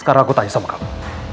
sekarang gue tanya sama kamu